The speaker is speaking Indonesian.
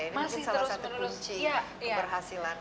ini mungkin salah satu kunci keberhasilan